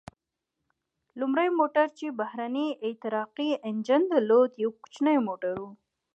لومړی موټر چې بهرنی احتراقي انجن درلود، یو کوچنی موټر و.